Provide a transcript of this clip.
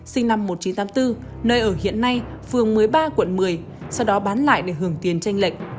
sinh năm một nghìn chín trăm tám mươi bốn nơi ở hiện nay phương một mươi ba tp hcm sau đó bán lại để hưởng tiền tranh lệnh